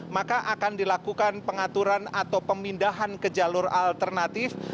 maka akan dilakukan pengaturan atau pemindahan ke jalur alternatif